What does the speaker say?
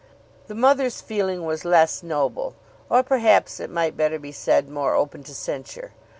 The mother's feeling was less noble, or perhaps, it might better be said, more open to censure.